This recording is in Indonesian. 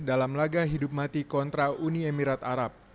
dalam laga hidup mati kontra uni emirat arab